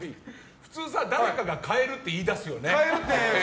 普通、誰かが変えるって言い出すよね。